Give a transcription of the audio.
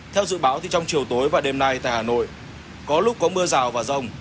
theo dự báo thì trong chiều tối và đêm nay tại hà nội có lúc có mưa rào và rông